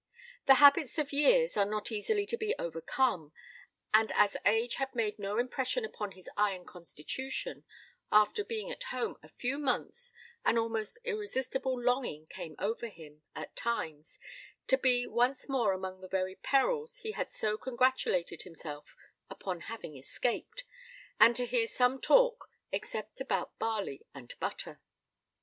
The habits of years are not easily to be overcome; and as age had made no impression upon his iron constitution, after being at home a few months, an almost irresistible longing came over him, at times, to be once more among the very perils he had so congratulated himself upon having escaped, and to hear some talk except about barley and butter.